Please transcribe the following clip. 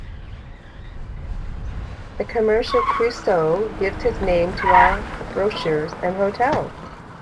The commercial Crusoe gives his name to our brochures and hotels.